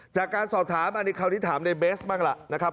จากการสอบถามอันที่เขานิดถามในเบสบ้างแหละครับ